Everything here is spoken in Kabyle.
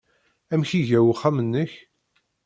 Amek iga uxxam-nnek?